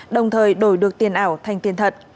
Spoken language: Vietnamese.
đồng thời đổi được tiền ảo thành tiền thật